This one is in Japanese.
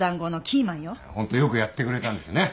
ホントよくやってくれたんですよね。